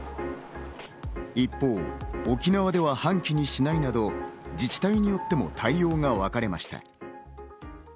一方、沖縄では半旗にしないなど自治体によっても対応が分かれました。